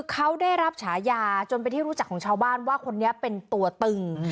เขาได้รับฉายาจนเป็นที่รู้จักของชาวบ้านว่าคนนี้เป็นตัวตึง